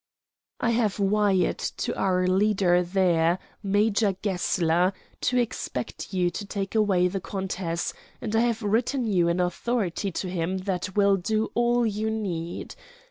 "I have wired to our leader there, Major Gessler, to expect you to take away the countess; and I have written you an authority to him that will do all you need.